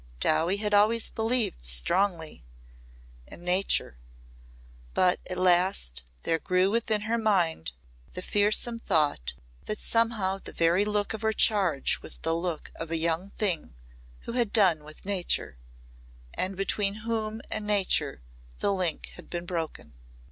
Dowie had always believed strongly in "Nature." But at last there grew within her mind the fearsome thought that somehow the very look of her charge was the look of a young thing who had done with Nature and between whom and Nature the link had been broken.